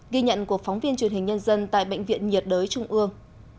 ghi nhận của phóng viên truyền hình nhân dân tại bệnh viện nhiệt đới trung ương